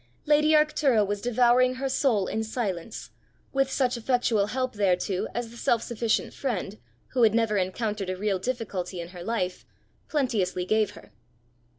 Lady Arctura was devouring her soul in silence, with such effectual help thereto as the self sufficient friend, who had never encountered a real difficulty in her life, plenteously gave her.